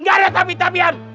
gak ada tapi tabian